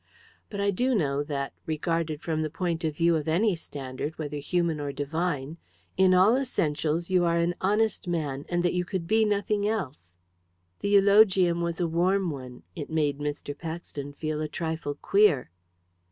But I do know that, regarded from the point of view of any standard, whether human or Divine, in all essentials you are an honest man, and that you could be nothing else." The eulogium was a warm one it made Mr. Paxton feel a trifle queer.